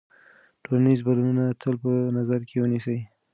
ټولنیز بدلونونه تل په نظر کې ونیسئ.